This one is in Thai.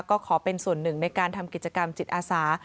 ก็ขอเป็นส่วนหนึ่งในการทำกิจกรรมจิตอาสา